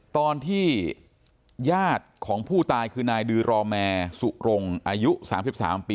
ตอนที่ญาติของผู้ตายคือนายดือรอแมร์สุรงอายุ๓๓ปี